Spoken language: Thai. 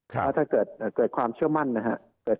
แล้วถ้าเกิดความเชื่อมั่นนะครับ